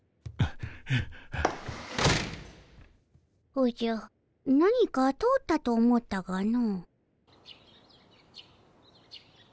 おじゃ何か通ったと思うたがの。